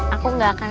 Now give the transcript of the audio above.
aku gak akan